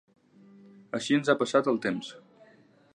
Així ens ha passat el temps.